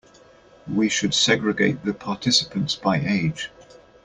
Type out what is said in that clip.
We should segregate the participants by age.